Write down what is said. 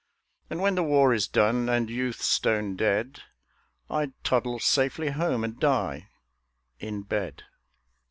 And when the war is done and youth stone dead, I'd toddle safely home and die in bed.